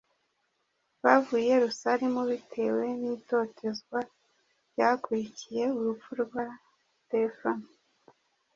bavuye i Yerusalemu bitewe n’itotezwa ryakurikiye urupfu rwa Sitefano.